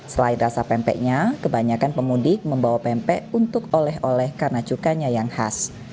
selain rasa pempeknya kebanyakan pemudik membawa pempek untuk oleh oleh karena cukanya yang khas